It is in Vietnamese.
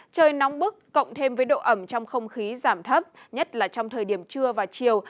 trời nóng bức cộng thêm với độ ẩm trong không khí giảm thấp nhất là trong thời điểm trưa và chiều